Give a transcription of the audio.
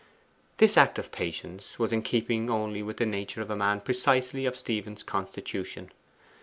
This act of patience was in keeping only with the nature of a man precisely of Stephen's constitution.